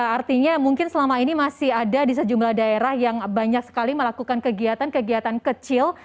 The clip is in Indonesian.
artinya mungkin selama ini masih ada di sejumlah daerah yang banyak sekali melakukan kegiatan kegiatan kecil